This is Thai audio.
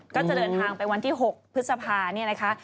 ก็จะเดินทางไปวันที่๖พฤษภาเนี่ยนะคะ